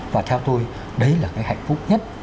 và theo tôi đấy là cái hạnh phúc nhất